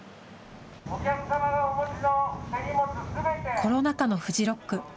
コロナ禍のフジロック。